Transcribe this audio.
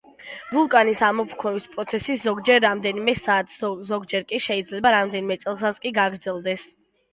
ვულკანის ამოფრქვევის პროცესი ზოგჯერ რამდენიმე საათს, ზოგჯერ კი შეიძლება რამდენიმე წელსაც კი გაგრძელდეს.